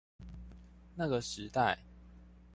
那個時代